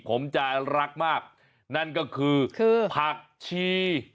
ผมจะรักมากนั่นก็คือผักชี